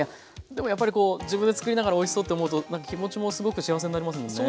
でもやっぱりこう自分で作りながらおいしそうって思うと何か気持ちもすごく幸せになりますもんね。